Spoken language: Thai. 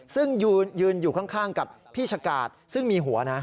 ซึ่งยืนอยู่ข้างกับพี่ชะกาดซึ่งมีหัวนะ